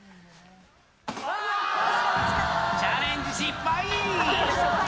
チャレンジ失敗。